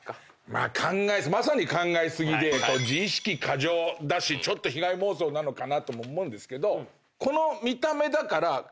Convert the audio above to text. まあまさに考え過ぎで自意識過剰だしちょっと被害妄想なのかなとも思うんですけど。